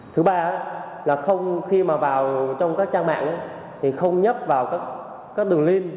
thứ ba là không khi mà vào trong các trang mạng thì không nhấp vào các đường link